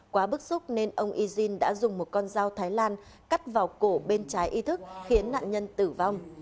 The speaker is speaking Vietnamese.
quá bức xúc nên ông yzin đã dùng một con dao thái lan cắt vào cổ bên trái ythức khiến nạn nhân tử vong